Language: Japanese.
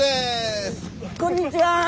こんにちは！